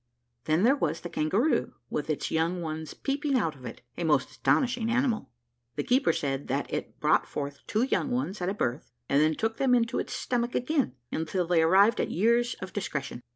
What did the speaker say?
Then there was the kangaroo with its young ones peeping out of it a most astonishing animal. The keeper said that it brought forth two young ones at a birth, and then took them into its stomach again, until they arrived at years of discretion.